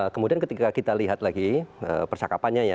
kemudian ketika kita lihat lagi percakapannya ya